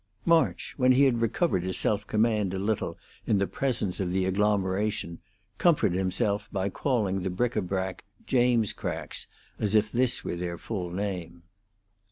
March, when he had recovered his self command a little in the presence of the agglomeration, comforted himself by calling the bric a brac Jamescracks, as if this was their full name.